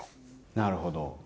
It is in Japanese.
なるほど。